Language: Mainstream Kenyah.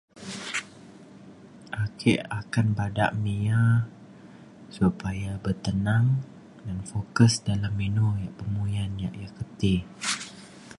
ake akan bada me ia' supaya bertenang ngan fokus dalem inu ia' penguyan ia' ke ti